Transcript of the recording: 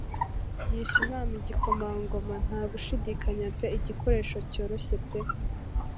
Gisha inama igikomangoma; nta gushidikanya pe igikoresho cyoroshye pe